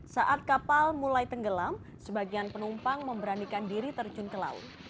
saat kapal mulai tenggelam sebagian penumpang memberanikan diri terjun ke laut